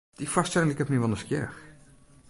Dy foarstelling liket my wol nijsgjirrich.